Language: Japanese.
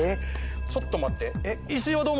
ちょっと待って石井は。